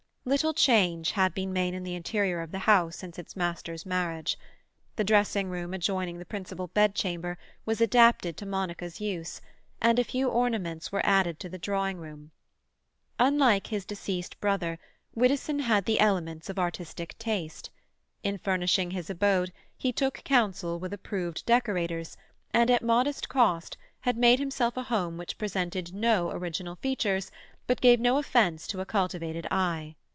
Little change had been made in the interior of the house since its master's marriage. The dressing room adjoining the principal bed chamber was adapted to Monica's use, and a few ornaments were added to the drawing room. Unlike his deceased brother, Widdowson had the elements of artistic taste; in furnishing his abode he took counsel with approved decorators, and at moderate cost had made himself a home which presented no original features, but gave no offence to a cultivated eye.